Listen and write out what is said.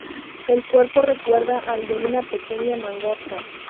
El cuerpo recuerda al de una pequeña mangosta.